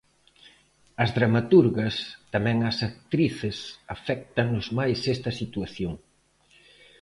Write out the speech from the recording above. Ás dramaturgas, tamén ás actrices, aféctanos máis esta situación.